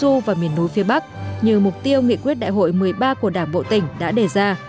trung du và miền núi phía bắc như mục tiêu nghị quyết đại hội một mươi ba của đảng bộ tỉnh đã đề ra